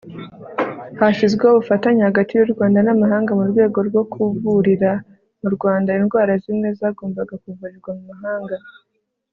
hashyizweho ubufatanye hagati y'u rwanda n'amahanga mu rwego rwo kuvurira mu rwanda indwara zimwe zagombaga kuvurirwa mu mahanga